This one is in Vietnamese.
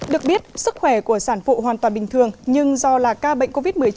được biết sức khỏe của sản phụ hoàn toàn bình thường nhưng do là ca bệnh covid một mươi chín